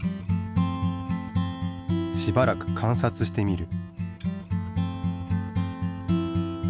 しばらく観察してみる。